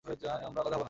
আমরা আলাদা হব না।